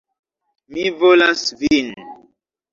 Mi volas vin.